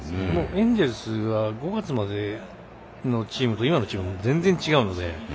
エンジェルスは５月までのチームと今のチーム全然違うので。